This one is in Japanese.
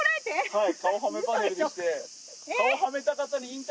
はい。